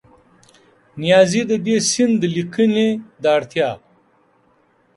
نیازي د دې سیند د لیکنې د اړتیا